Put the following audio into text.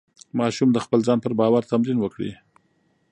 ماشوم د خپل ځان پر باور تمرین وکړي.